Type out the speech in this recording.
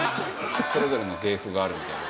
それぞれの芸風があるみたいな。